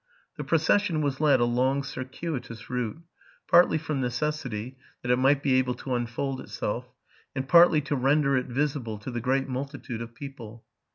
The procession was led a long, circuitous route, partly from necessity, that it might be able to unfold itself, and partly to render it visible to the great multitude of people.